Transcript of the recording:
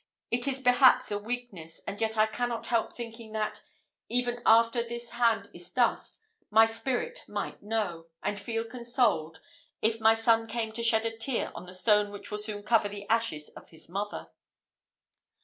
it is perhaps a weakness, and yet I cannot help thinking that, even after this hand is dust, my spirit might know, and feel consoled, if my son came to shed a tear on the stone which will soon cover the ashes of his mother."